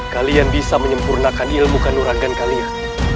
kalian bisa menyempurnakan ilmu kanurangan kalian